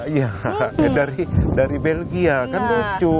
iya dari belgia kan lucu